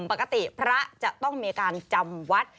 ปกติพระจะต้องมีการจำวัด